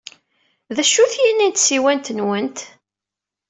D acu-t yini n tsiwant-nwent?